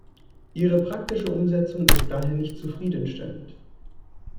Ihre praktische Umsetzung ist daher nicht zufriedenstellend.